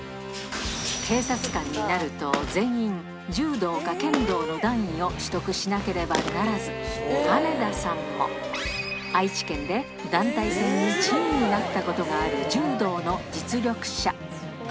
警察官になると全員、柔道か剣道の段位を取得しなければならず、羽田さんも、愛知県で団体戦１位になったことがある柔道の実力者。